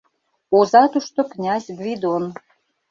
Оза тушто князь Гвидон;